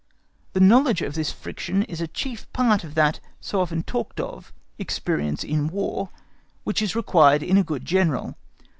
The knowledge of this friction is a chief part of that so often talked of, experience in War, which is required in a good General.